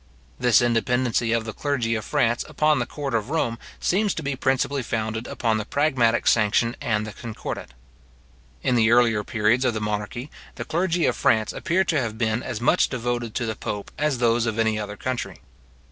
This independency of the clergy of France upon the court of Rome seems to be principally founded upon the pragmatic sanction and the concordat. In the earlier periods of the monarchy, the clergy of France appear to have been as much devoted to the pope as those of any other country.